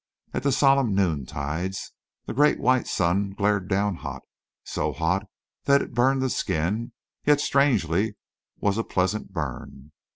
At the solemn noontides the great white sun glared down hot—so hot that it burned the skin, yet strangely was a pleasant burn.